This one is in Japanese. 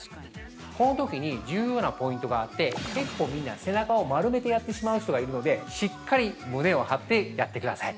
このときに重要なポイントがあって、結構みんな、背中を丸めてやってしまう人がいるので、しっかり胸を張ってやってください。